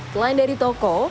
selain dari toko